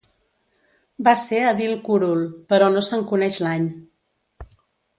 Va ser edil curul, però no se'n coneix l'any.